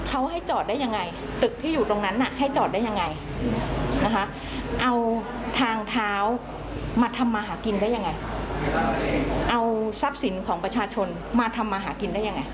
เอาทรัพย์สินของประชาชนมาทำมหากินได้ยังไง